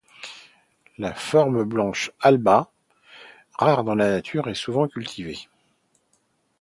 La forme blanche 'Alba', rare dans la nature, est souvent cultivée.